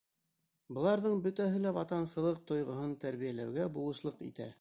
Быларҙың бөтәһе лә ватансылыҡ тойғоһон тәрбиәләүгә булышлыҡ итә.